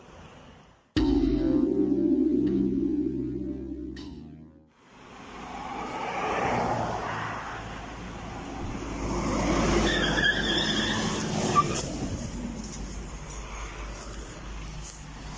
จะเอาไงครับ